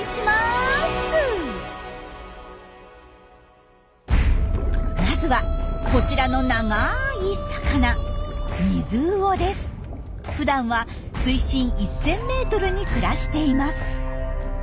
まずはこちらの長い魚ふだんは水深１，０００ｍに暮らしています。